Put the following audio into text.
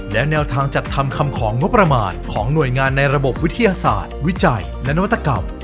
และแนวทางจัดทำคำของงบประมาณของหน่วยงานในระบบวิทยาศาสตร์วิจัยและนวัตกรรม